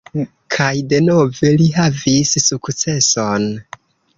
Kaj denove li havis sukceson.